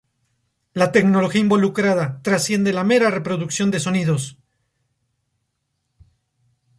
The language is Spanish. La tecnología involucrada trasciende la mera reproducción de sonidos.